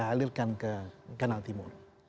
halirkan ke kanal timur